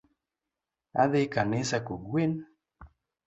Adhi kanisa kogwen